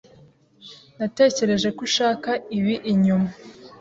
Natekereje ko ushaka ibi inyuma.